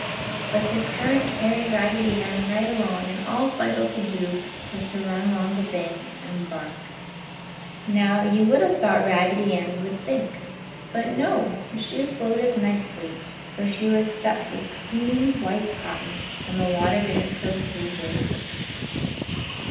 But the current carried Raggedy Ann right along and all Fido could do was to run along the bank and bark. Now, you would have thought Raggedy Ann would sink, but no, she floated nicely, for she was stuffed with clean white cotton and the water didn't soak through very quickly.